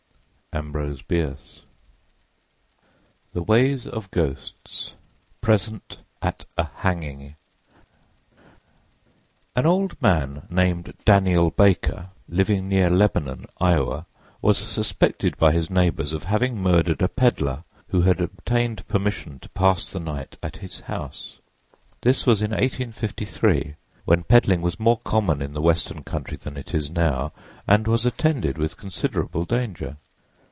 —A. B. PRESENT AT A HANGING AN old man named Daniel Baker, living near Lebanon, Iowa, was suspected by his neighbors of having murdered a peddler who had obtained permission to pass the night at his house. This was in 1853, when peddling was more common in the Western country than it is now, and was attended with considerable danger.